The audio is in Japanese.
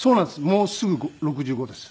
もうすぐ６５です。